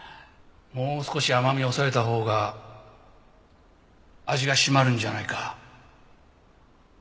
もう少し甘みを抑えたほうが味が締まるんじゃないか？